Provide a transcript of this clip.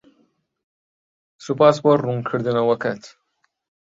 سوپاس بۆ ڕوونکردنەوەکەت.